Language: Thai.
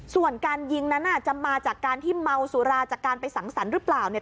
ส่วนการยิงนั้นจะมาจากการที่เมาสุราจากการไปสังสรรค์หรือเปล่าเนี่ย